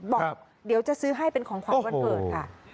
บอกเดี๋ยวจะซื้อให้เป็นของขวัญวันเกิดค่ะ